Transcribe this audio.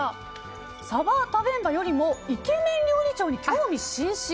サバタベンバよりもイケメン料理長に興味津々。